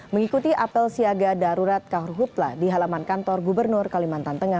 mengikuti apel siaga darurat karhutla di halaman kantor gubernur kalimantan tengah